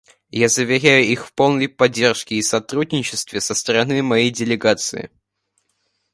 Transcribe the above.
Я заверяю их в полной поддержке и сотрудничестве со стороны моей делегации.